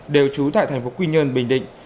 đều trú tại thành phố quy nhơn bình định